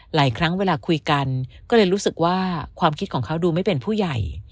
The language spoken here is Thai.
หลายครั้งเวลาคุยกันก็เลยรู้สึกว่าความคิดของเขาดูไม่เป็นผู้ใหญ่